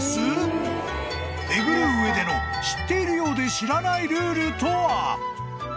［巡る上での知っているようで知らないルールとは］